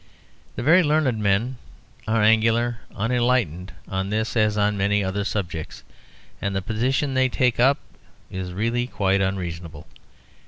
The very learned men are angularly unenlightened on this as on many other subjects; and the position they take up is really quite unreasonable.